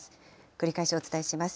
繰り返しお伝えします。